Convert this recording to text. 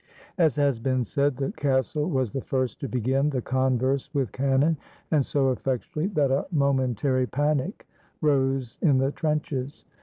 As has been said, the castle was the first to begin the converse with cannon, and so effectually that a momen tary panic rose in the trenches.